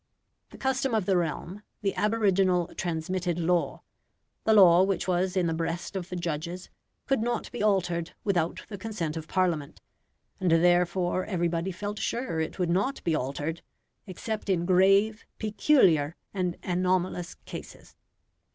The custom of the realm the aboriginal transmitted law the law which was in the breast of the judges, could not be altered without the consent of Parliament, and therefore everybody felt sure it would not be altered except in grave, peculiar, and anomalous cases.